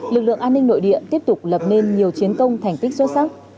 lực lượng an ninh nội địa tiếp tục lập nên nhiều chiến công thành tích xuất sắc